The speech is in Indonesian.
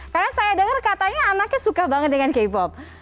karena saya dengar katanya anaknya suka banget dengan k pop